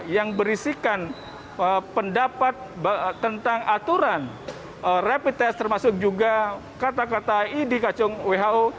yang berisikan pendapat tentang aturan rapid test termasuk juga kata kata idi kacung who